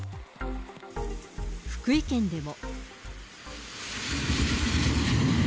福井県でも。